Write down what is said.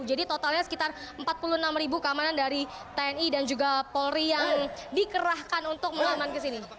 jadi totalnya sekitar empat puluh enam ribu keamanan dari tni dan juga polri yang dikerahkan untuk mengaman kesini